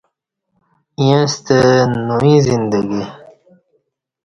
ییݩستہ نوئ زندگی